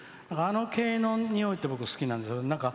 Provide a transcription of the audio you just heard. あの系のにおいって僕、好きなんですよね。